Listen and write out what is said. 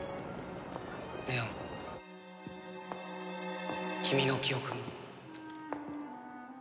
祢音君の記憶も。